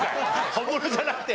本物じゃなくて。